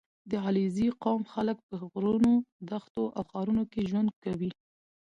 • د علیزي قوم خلک په غرونو، دښتو او ښارونو کې ژوند کوي.